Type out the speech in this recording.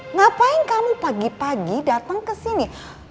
ngapain kamu pagi pagi dateng kesini